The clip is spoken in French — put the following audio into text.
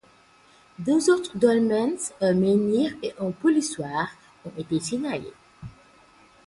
Deux autres dolmens, un menhir et un polissoir ont aussi été signalés.